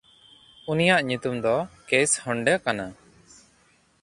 ᱩᱱᱤᱭᱟᱜ ᱧᱩᱛᱩᱢ ᱫᱚ ᱠᱮᱭᱥᱦᱚᱱᱰᱟ ᱠᱟᱱᱟ᱾